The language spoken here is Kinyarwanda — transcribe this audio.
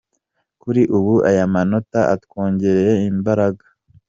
Kuri ubu aya manota atwongereye imbaraga.